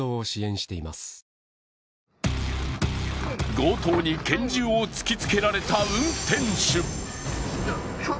強盗に拳銃を突きつけられた運転手。